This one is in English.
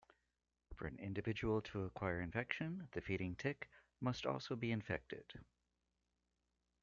For an individual to acquire infection, the feeding tick must also be infected.